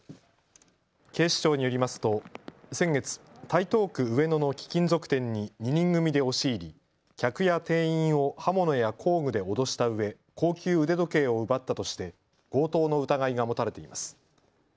警視庁によりますと先月、台東区上野の貴金属店に２人組で押し入り客や店員を刃物や工具で脅したうえ、高級腕時計を奪ったとして強盗の疑いが持たれています。